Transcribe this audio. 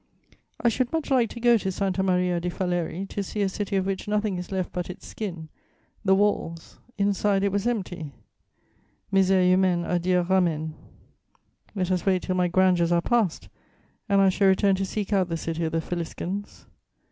I should much like to go to Santa Maria di Faleri to see a city of which nothing is left but its skin, the walls; inside, it was empty: misère humaine à Dieu ramène. Let us wait till my grandeurs are past, and I shall return to seek out the city of the Faliscans.